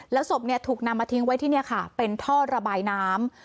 ศพถูกนำมาทิ้งไว้ที่นี่ค่ะเป็นท่อระบายน้ำ